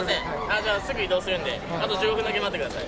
じゃあすぐ移動するんで、あと１５分だけ待ってください。